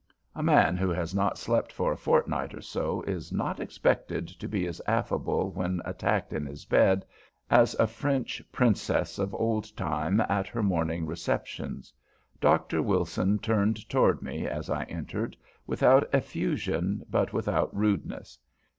A man who has not slept for a fortnight or so is not expected to be as affable, when attacked in his bed, as a French Princess of old time at her morning receptions. Dr. Wilson turned toward me, as I entered, without effusion, but without rudeness.